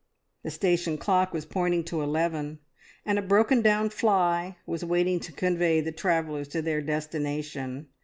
The station clock was pointing to eleven, and a broken down fly was waiting to convey the travellers to their destination.